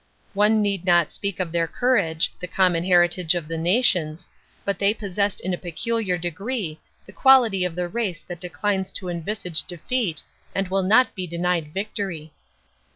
One need not speak of their courage the common heritage of the nations but they possessed in a peculiar degree the quality of the race that declines to envisage defeat and will not be denied victory.